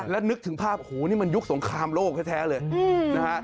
แล้วนึกถึงภาพโหนี่มันยุคสงครามโลกแท้เลยนะฮะ